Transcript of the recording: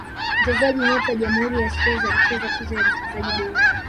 mchezaji nyota wa Jamhuri ya Czech alishinda tuzo ya mchezaji bora